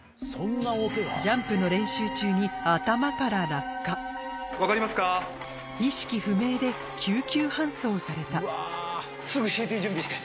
ジャンプの練習中に頭から落下意識不明で救急搬送された・すぐＣＴ準備して